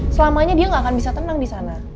selamanya dia gak akan bisa tenang disana